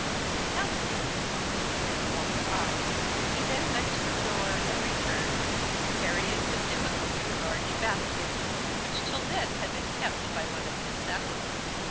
Now, my Lady, prepare all your eyes." He then went to the door, and returned, carrying with difficulty a large basket, which till then had been kept by one of his satellites.